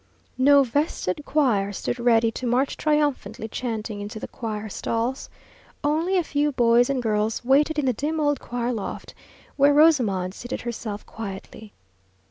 No vested choir stood ready to march triumphantly chanting into the choir stalls. Only a few boys and girls waited in the dim old choir loft, where Rosamond seated herself quietly.